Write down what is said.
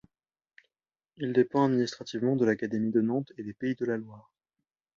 Il dépend administrativement de l'Académie de Nantes et des Pays de la Loire.